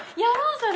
それ。